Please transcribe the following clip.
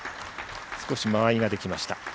少し間合いができました。